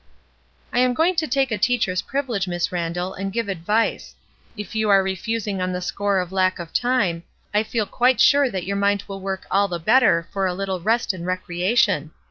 '*I am going to take a teacher's privilege, Miss Randall, and give advice. If you are re fusing on the score of lack of time, I feel quite sure that your mind will work all the better for a httle rest and recreation.